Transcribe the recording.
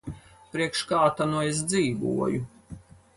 Priekš kā ta nu es dzīvoju.